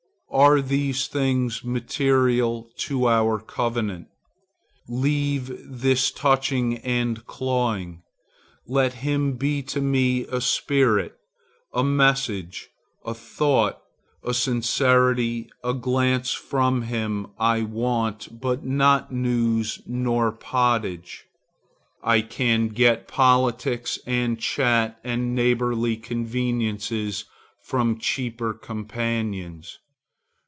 Are these things material to our covenant? Leave this touching and clawing. Let him be to me a spirit. A message, a thought, a sincerity, a glance from him, I want, but not news, nor pottage. I can get politics and chat and neighborly conveniences from cheaper companions.